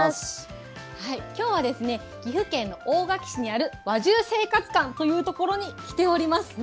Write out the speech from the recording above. きょうはですね、岐阜県の大垣市にある輪中生活館という所に来ております。